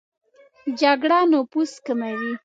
جګړه نفوس کموي